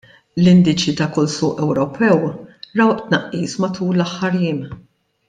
L-indiċi ta' kull suq Ewropew ra tnaqqis matul l-aħħar jiem.